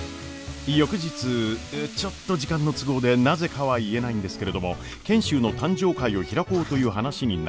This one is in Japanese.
翌日ちょっと時間の都合でなぜかは言えないんですけれども賢秀の誕生会を開こうという話になりまして。